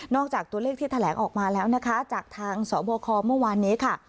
จากตัวเลขที่แถลงออกมาแล้วนะคะจากทางสบคเมื่อวานนี้ค่ะ